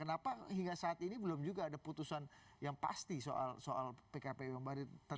kenapa hingga saat ini belum juga ada putusan yang pasti soal pkpu yang baru